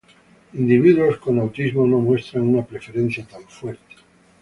Individuos con autismo no muestran una preferencia tan fuerte.